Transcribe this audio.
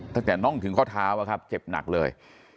ตั้งแต่น่องถึงข้อเท้าเจ็บหนักเลย